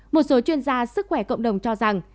một số chuyên gia sức khỏe cộng đồng cho rằng